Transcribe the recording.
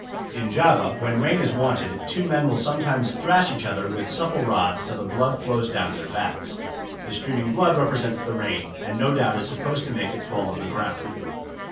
In Java, when rain is wanted, two men will sometimes thrash each other with supple rods till the blood flows down their backs; the streaming blood represents the rain, and no doubt is supposed to make it fall on the ground.